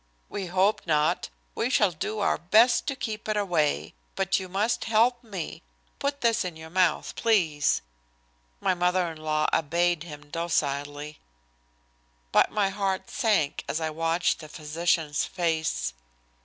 "We hope not. We shall do our best to keep it away. But you must help me. Put this in your mouth, please." My mother in law obeyed him docilely. But my heart sank as I watched the physician's face.